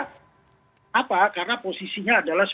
kenapa karena posisinya adalah